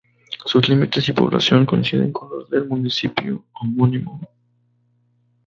Sus límites y población coinciden con los del municipio homónimo.